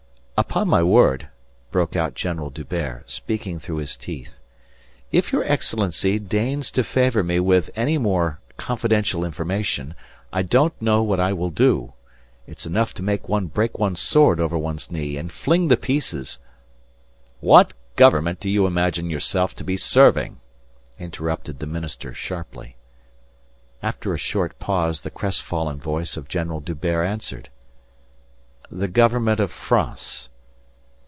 "Upon my word," broke out General D'Hubert, speaking through his teeth, "if your Excellency deigns to favour me with any more confidential information I don't know what I will do. It's enough to make one break one's sword over one's knee and fling the pieces..." "What government do you imagine yourself to be serving?" interrupted the minister sharply. After a short pause the crestfallen voice of General D'Hubert answered: "The government of France."